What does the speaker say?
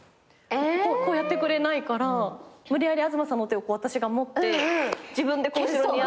こうやってくれないから無理やり東さんの手を私が持って自分で後ろにやって。